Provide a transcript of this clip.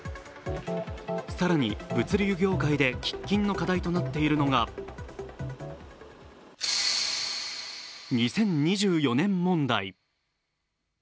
更に、物流業界で喫緊の課題となっているのが２０２４年問題。